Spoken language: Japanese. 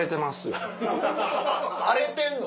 荒れてんの？